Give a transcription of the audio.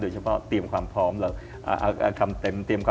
โดยเฉพาะเตรียมความพร้อม